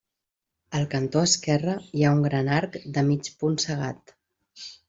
Al cantó esquerre hi ha un gran arc de mig punt cegat.